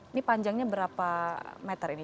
ini panjangnya berapa meter ini